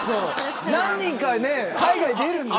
何人かは海外出るんですよ。